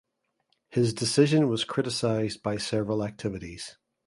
His decision was criticised by several activities.